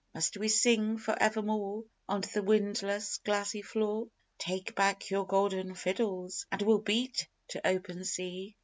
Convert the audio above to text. Must we sing for evermore On the windless, glassy floor? Take back your golden fiddles and we'll beat to open sea!"